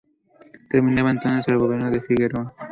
Terminaba entonces el gobierno de Figueroa.